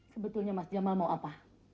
sebetulnya mas jamal mau apa